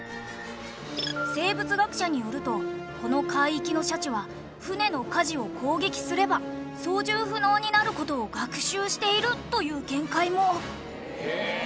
生物学者によるとこの海域のシャチは船の舵を攻撃すれば操縦不能になる事を学習しているという見解も。